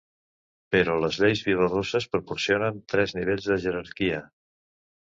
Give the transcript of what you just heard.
Però les lleis bielorusses proporcionen tres nivells de jerarquia.